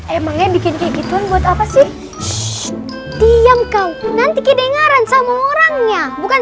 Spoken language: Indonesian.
emangnya bikin kayak gituan buat apa sih diam kau nanti kedengaran sama orangnya bukan